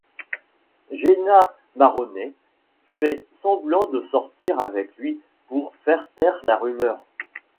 Jenna Maroney fait semblant de sortir avec lui pour faire taire la rumeur.